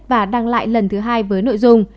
và đăng lại lần thứ hai với nội dung